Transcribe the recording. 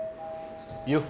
よっ！